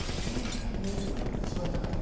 １００年以上の中でいちばん高い。